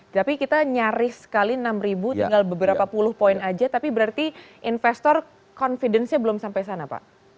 tapi kita nyaris sekali enam ribu tinggal beberapa puluh poin aja tapi berarti investor confidence nya belum sampai sana pak